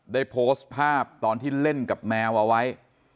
ได้โพสต์ภาพตอนที่เล่นกับแมวเอาไว้